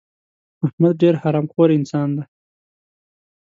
احمد ډېر حرام خور انسان دی.